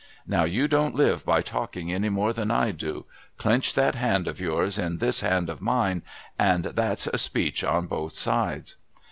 Now you don't live by talking any more than I do. Clench that hand of yours in this hand of mine, and that's a speech on both sides.'